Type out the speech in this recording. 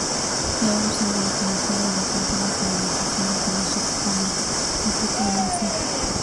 Era un símbolo conocido en las antiguas civilizaciones de Mesopotamia, África y Asia.